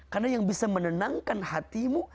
karena yang bisa menenangkan hatimu